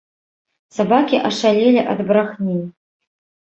Сабакі ашалелі ад брахні.